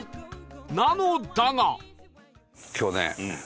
なのだが